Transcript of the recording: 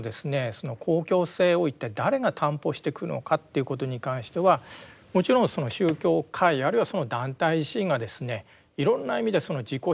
その公共性を一体誰が担保していくのかということに関してはもちろんその宗教界あるいはその団体自身がですねいろんな意味で自己批判的にですね